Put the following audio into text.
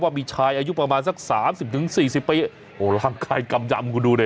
ว่ามีชายอายุประมาณสัก๓๐๔๐ปีโอ้โหร่างกายกำยำคุณดูดิ